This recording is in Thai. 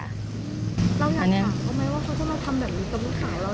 เราอยากถามเขาไหมว่าเขาจะมาทำแบบนี้กับลูกขายเรา